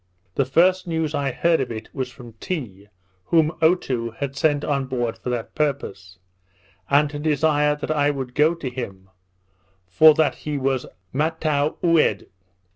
The first news I heard of it was from Tee, whom Otoo had sent on board for that purpose, and to desire that I would go to him, for that he was mataoued.